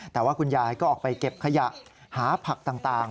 แต่ว่าคุณยายก็ออกไปเก็บขยะหาผักต่าง